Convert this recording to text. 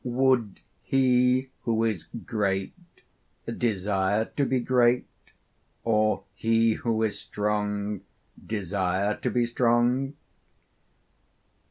Would he who is great, desire to be great, or he who is strong, desire to be strong?